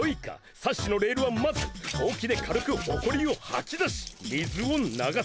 サッシのレールはまずほうきで軽くほこりをはきだし水を流す。